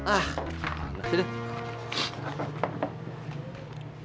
ah mana sih